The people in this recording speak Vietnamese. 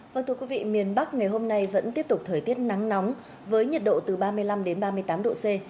vâng thưa quý vị miền bắc ngày hôm nay vẫn tiếp tục thời tiết nắng nóng với nhiệt độ từ ba mươi năm đến ba mươi tám độ c